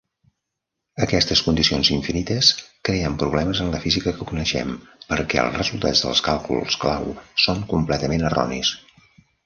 Aquestes condicions infinites creen problemes en la física que coneixem, perquè els resultats dels càlculs clau són completament erronis.